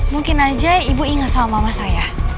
mungkin aja ibu ingat sama mama saya